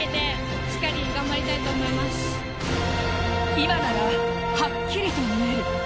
今ならはっきりと見える。